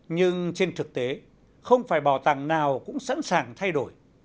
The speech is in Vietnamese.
nhưng trên thực tế không phải bảo tàng nào cũng sẵn sàng thay đổi